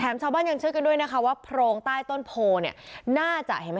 แถมชาวบ้านยังเชื่อกันด้วยนะคะว่าโพรงใต้ต้นโพอเนี่ย